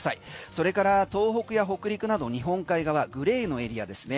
それから東北や北陸など日本海側グレーのエリアですね。